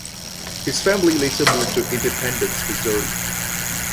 His family later moved to Independence, Missouri.